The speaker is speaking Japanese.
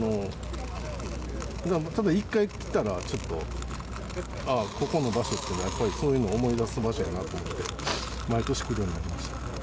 ただ一回来たら、ちょっと、ここの場所っていうのは、やっぱりそういうのを思い出す場所やなと思って、毎年来るようになりました。